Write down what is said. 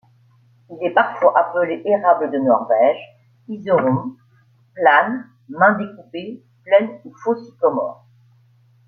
Il est parfois appelé Érable de Norvège, Iseron, Plane, Main-découpée, Plaine ou Faux Sycomore.